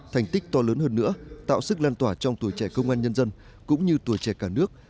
thành tích to lớn hơn nữa tạo sức lan tỏa trong tuổi trẻ công an nhân dân cũng như tuổi trẻ cả nước